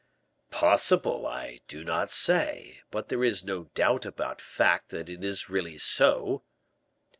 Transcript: "Possible I do not say; but there is no doubt about fact that it is really so."